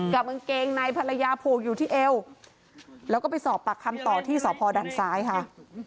กางเกงในภรรยาผูกอยู่ที่เอวแล้วก็ไปสอบปากคำต่อที่สพด่านซ้ายค่ะ